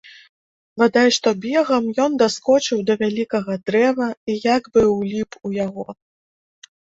Бадай што бегам ён даскочыў да вялікага дрэва і як бы ўліп у яго.